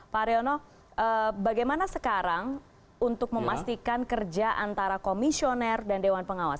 pak haryono bagaimana sekarang untuk memastikan kerja antara komisioner dan dewan pengawas